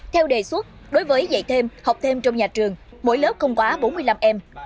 theo đề xuất đối với dạy thêm học thêm trong nhà trường mỗi lớp không quá bốn mươi năm em